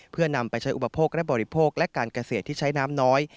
เพื่อนำไปใช้อุปโภคและบริโภคและการเกษตรที่ใช้น้ำน้อย